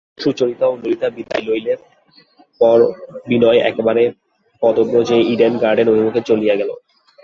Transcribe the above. সুচরিতা ও ললিতা বিদায় লইলে পর বিনয় একেবারে পদব্রজে ইডেন গার্ডেন অভিমুখে চলিয়া গেল।